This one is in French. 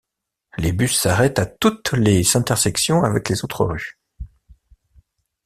Les bus s'arrêtent à toutes les intersections avec les autres rues.